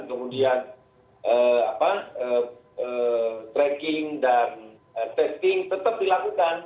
kemudian tracking dan testing tetap dilakukan